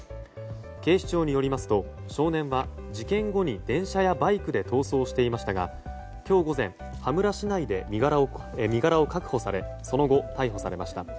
警視庁によりますと少年は事件後に電車やバイクで逃走していましたが今日午前羽村市内で身柄を確保されその後、逮捕されました。